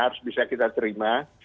harus bisa kita terima